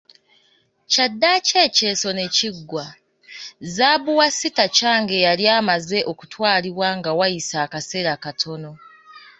Kyaddaaki ekyeso ne kiggwa, zaabu wa Sitakange yali amaze okutwalibwa nga wayise akaseera katono